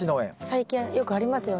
最近よくありますよね。